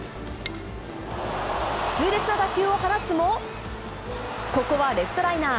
痛烈な打球を放つも、ここはレフトライナー。